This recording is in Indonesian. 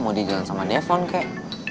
mau dijalan sama devlon kek